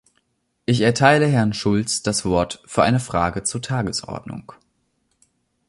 Ich erteile Herrn Schulz das Wort für eine Frage zur Tagesordnung.